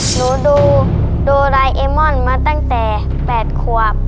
หนูดูรายเอมอนมาตั้งแต่๘ขวบ